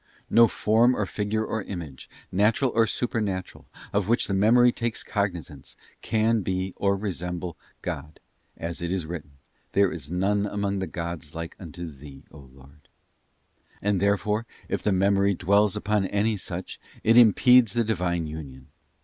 No form or figure or image, natural or supernatural, of which the memory takes cognisance can be, or resemble, God, as it is written, 'There is none among the gods like unto Thee, O Lord;'* and therefore if the memory dwells upon any such it impedes the Divine union.